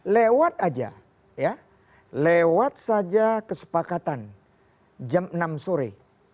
lewat saja kesepakatan jam enam sore